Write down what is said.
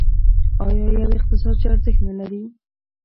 آیا یو اقتصاد چې ارزښت نلري؟